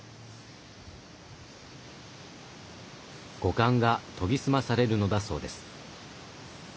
五感が研ぎ澄まされるのだそうです。